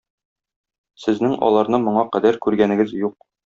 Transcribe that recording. Сезнең аларны моңа кадәр күргәнегез юк!